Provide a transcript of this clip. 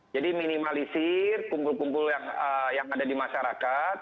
jadi minimalisir kumpul kumpul yang ada di masyarakat